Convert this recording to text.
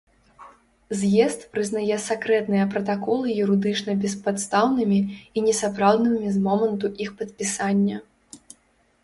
З'езд прызнае сакрэтныя пратаколы юрыдычна беспадстаўнымі і несапраўднымі з моманту іх падпісання.